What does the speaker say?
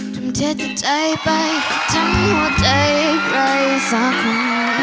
ทุ่มเทศจากใจไปจำหัวใจไปสักครั้ง